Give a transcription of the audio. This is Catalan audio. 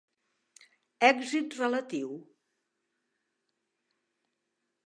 Èxit relatiu.